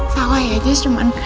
salah ya jes cuma